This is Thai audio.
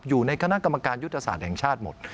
อยู่ในคณะกรรมการยุทธศาสตร์แห่งชาติหมด